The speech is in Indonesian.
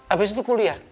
abis itu kuliah